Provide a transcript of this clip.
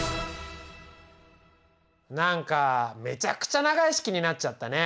何かめちゃくちゃ長い式になっちゃったね。